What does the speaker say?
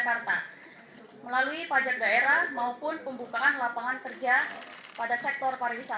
kita menjadikan baik untuk memperpanjang izin kita